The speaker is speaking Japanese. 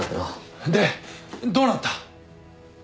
でどうなった？